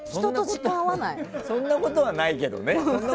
そんなことはないけどね。